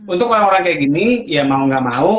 untuk orang orang kayak gini ya mau gak mau